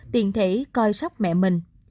tiền thể coi sóc mẹ mình